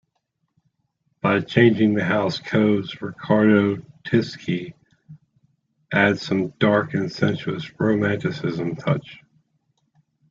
By changing the house codes, Riccardo Tisci adds some dark and sensual romanticism touch.